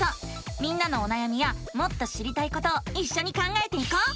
みんなのおなやみやもっと知りたいことをいっしょに考えていこう！